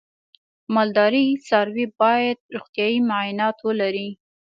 د مالدارۍ څاروی باید روغتیايي معاینات ولري.